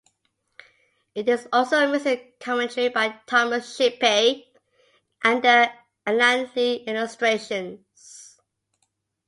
It is also missing commentary by Thomas Shippey and the Alan Lee illustrations.